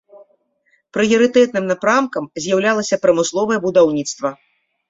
Прыярытэтным напрамкам з'яўлялася прамысловае будаўніцтва.